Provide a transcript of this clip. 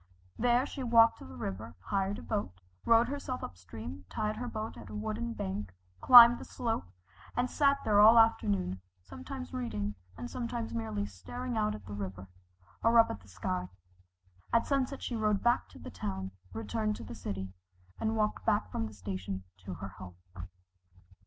There she walked to the river, hired a boat, rowed herself up stream, tied her boat at a wooden bank, climbed the slope, and sat there all the afternoon, sometimes reading, and sometimes merely staring out at the river, or up at the sky. At sunset she rowed back to the town, returned to the city, and walked from the station to her home.